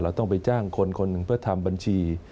ต้องไปจ้างคนคนหนึ่งเพื่อทำบัญชี